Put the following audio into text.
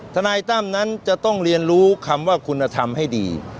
ทนายตั้มนั้นจะต้องเรียนรู้คำว่าคุณธรรมให้ดี